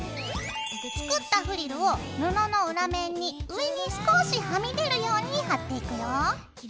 作ったフリルを布の裏面に上に少しはみ出るように貼っていくよ。